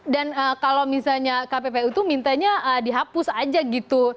dan kalau misalnya kppu itu mintanya dihapus aja gitu